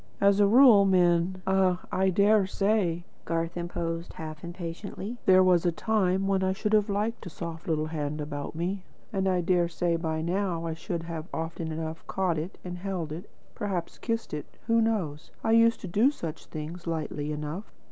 As a rule, men " "Ah, I dare say," Garth interposed half impatiently. "There was a time when I should have liked a soft little hand about me. And I dare say by now I should often enough have caught it and held it, perhaps kissed it who knows? I used to do such things, lightly enough.